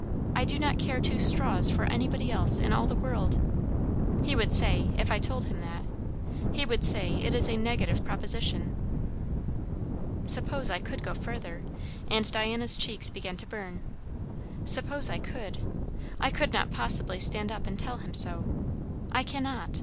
I do not care two straws for anybody else in all the world. He would say, if I told him that, he would say it is a negative proposition. Suppose I could go further" and Diana's cheeks began to burn "suppose I could, I could not possibly stand up and tell him so. I cannot.